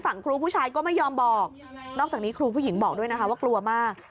ครูผู้ชายก็ไม่ยอมบอกนอกจากนี้ครูผู้หญิงบอกด้วยนะคะว่ากลัวมาก